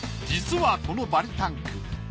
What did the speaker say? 実はこのバリタンク。